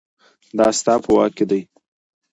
دا ستا په واک کې دي